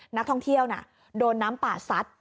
นักท่องเที่ยวโดนน้ำป่าซัด